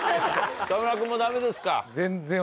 沢村君もダメですか？